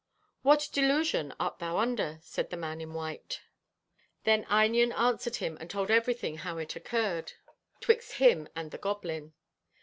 "What delusion art thou under?" said the man in white. Then Einion answered him and told everything how it occurred 'twixt him and the goblin.